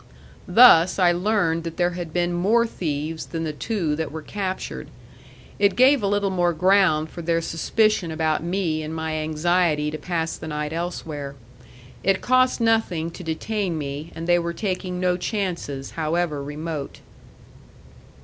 Thus I learned that there had been more thieves than the two that were captured. It gave a little more ground for their suspicion about me and my anxiety to pass the night elsewhere. It cost nothing to detain me, and they were taking no chances, however remote.